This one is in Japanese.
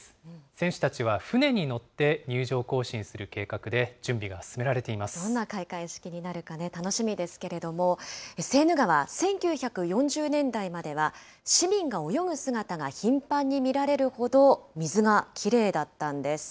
選手たちは船に乗って入場行進する計画で、準備が進められていまどんな開会式になるか楽しみですけれども、セーヌ川、１９４０年代までは、市民が泳ぐ姿が頻繁に見られるほど、水がきれいだったんです。